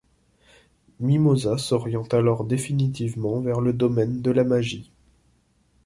Mimosa s'oriente alors définitivement vers le domaine de la magie.